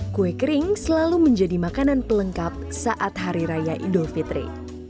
kue kering selalu menjadi makanan pelengkap saat hari raya idul fitri